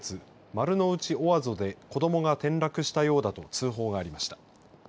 丸の内オアゾで子どもが転落したようだと通報がありました。